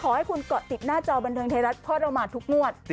ขอให้คุณกดติดหน้าจอบันเทิงเทรัฐพ่อดอมมาทุกวัวด